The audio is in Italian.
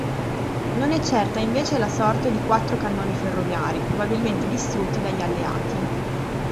Non è certa invece la sorte di quattro cannoni ferroviari, probabilmente distrutti dagli alleati.